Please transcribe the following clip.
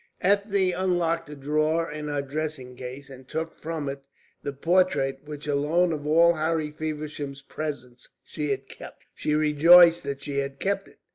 Ethne unlocked a drawer in her dressing case, and took from it the portrait which alone of all Harry Feversham's presents she had kept. She rejoiced that she had kept it.